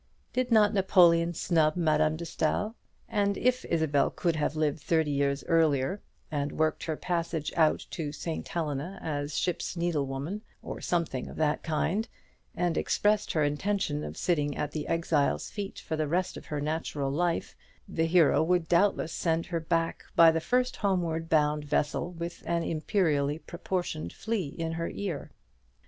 Did not Napoleon snub Madame de Staël? And if Isabel could have lived thirty years earlier, and worked her passage out to St. Helena as ship's needle woman, or something of that kind, and expressed her intention of sitting at the exile's feet for the rest of her natural life, the hero would have doubtless sent her back by the first homeward bound vessel with an imperially proportioned flea in her ear.